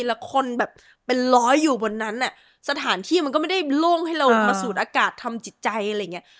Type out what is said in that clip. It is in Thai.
แล้วคนแบบเป็นร้อยอยู่บนนั้นอ่ะสถานที่มันก็ไม่ได้โล่งให้เรามาสูดอากาศทำจิตใจอะไรอย่างเงี้ย